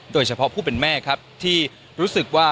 โดยเฉพาะผู้เป็นแม่ครับที่รู้สึกว่า